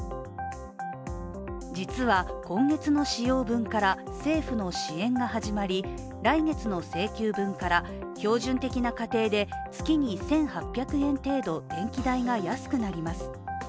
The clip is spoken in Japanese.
実は、今月の使用分から、政府の支援が始まり、来月の請求分から標準的な家庭で月に１８００円程度電気代が安くなります。